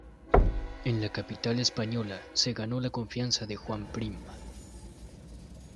En la capital española se ganó la confianza de Juan Prim.